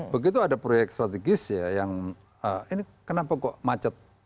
begitu ada proyek strategis ya yang ini kenapa kok macet